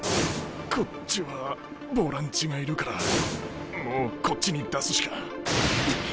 こっちはボランチがいるからもうこっちに出すしか。